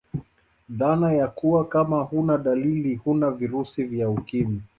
Dhana ya kuwa Kama huna dalili huna virusi vya ukimwi